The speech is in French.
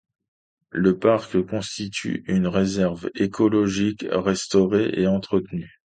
Le parc constitue une réserve écologique restaurée et entretenue.